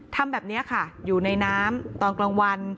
ทำแบบนี้ค่ะอยู่ในน้ำตอนกลางวัน